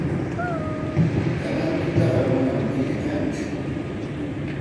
Kanan tutaqa manam killa kanchu.